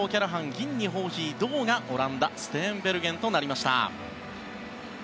銀にホーヒー、銅がオランダステーンベルゲン。